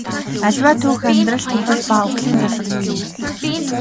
Аливаа түүх амьдрал тэмцэл ба үхлийн зорилго юу юм бэ?